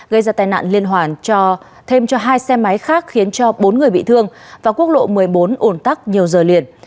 gây ra tai nạn liên hoàn thêm cho hai xe máy khác khiến cho bốn người bị thương và quốc lộ một mươi bốn ổn tắc nhiều giờ liền